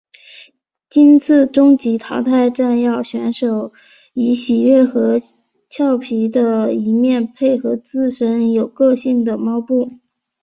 今次终极淘汰战要选手以喜悦和佻皮的一面配合自身有个性的猫步。